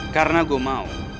karena gue mau